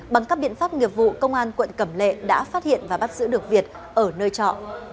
bằng các biện pháp nghiệp vụ công an quận cẩm lệ đã phát hiện và bắt giữ được việt ở nơi trọ